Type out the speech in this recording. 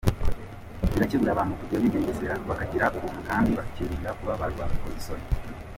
Birakebura abantu kujya bigengesera, bakagira ubuntu kandi bakirinda kuba ba rwabuzisoni!